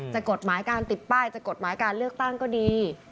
กฎหมายการติดป้ายจะกฎหมายการเลือกตั้งก็ดี